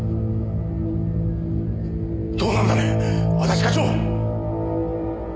どうなんだね安達課長！